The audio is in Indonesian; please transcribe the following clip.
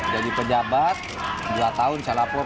jadi pejabat dua tahun saya lapor